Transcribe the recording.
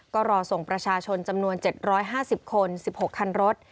ก็รอส่งประชาชนจำนวนเจ็ดร้อยห้าสิบคนสิบหกคันรถ